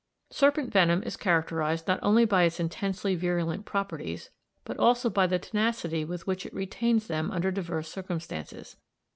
Serpent venom is characterised not only by its intensely virulent properties, but also by the tenacity with which it retains them under diverse circumstances.